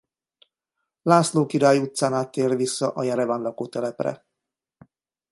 László király utcán át tér vissza a Jereván lakótelepre.